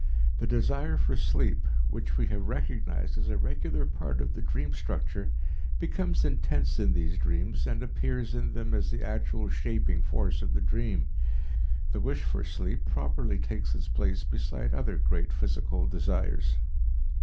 The desire for sleep which we have recognized as a regular part of the dream structure becomes intense in these dreams and appears in them as the actual shaping force of the dream. The wish for sleep properly takes its place beside other great physical desires.